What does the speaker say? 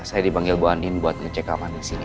saya dipanggil ibu andin buat ngecek kapan disini pak